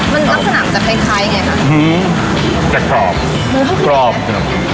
มันนักสนามจะคล้ายคล้ายยังไงฮะกรอบกรอบอืม